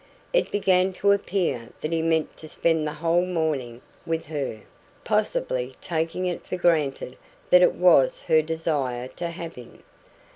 It began to appear that he meant to spend the whole morning with her, possibly taking it for granted that it was her desire to have him.